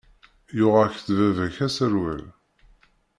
Yuɣ-ak-d baba-k aserwal.